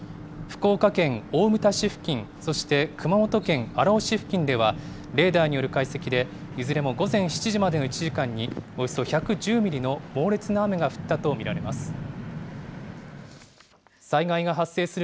福岡県大牟田市付近、そして熊本県荒尾市付近では、レーダーによる解析でいずれも午前７時までの１時間に、およそ１１０ミリの猛烈な雨が降ったと見られます。